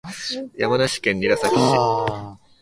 山梨県韮崎市